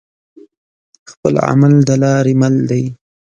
خپل عمل دلاری مل دی